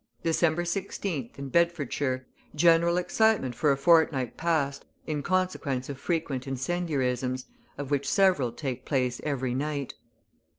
December 16th, in Bedfordshire, general excitement for a fortnight past in consequence of frequent incendiarisms, of which several take place every night.